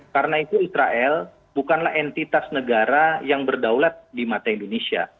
karena itu israel bukanlah entitas negara yang berdaulat di mata indonesia